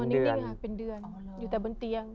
ตอนนี้เป็นเดือนอยู่แต่บนเตียง